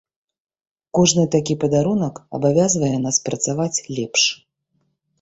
Кожны такі падарунак абавязвае нас працаваць лепш.